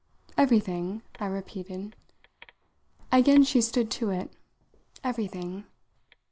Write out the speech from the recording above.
"Everything?" I repeated. Again she stood to it. "Everything."